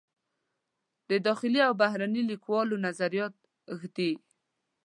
د داخلي و بهرني لیکوالو نظریات ږدي.